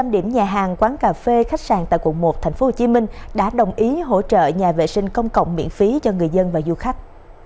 năm điểm nhà hàng quán cà phê khách sạn tại quận một tp hcm đã đồng ý hỗ trợ nhà vệ sinh công cộng miễn phí cho người dân và du khách